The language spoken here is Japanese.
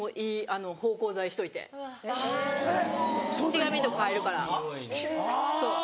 ・手紙とか入るからそう。